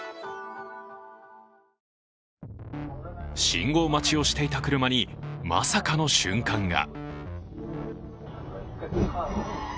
信号待ちをしていた車にまさかの瞬間が。